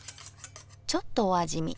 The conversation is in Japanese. ちょっとお味見。